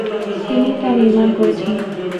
তিনিই তা নির্মাণ করেছেন।